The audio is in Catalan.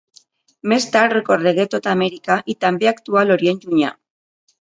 Més tard recorregué tota Amèrica i també actuà en l'Orient Llunyà.